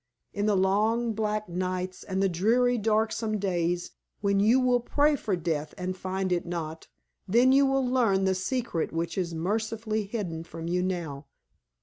In the long black nights and the dreary darksome days, when you will pray for death and find it not, then you will learn the secret which is mercifully hidden from you now.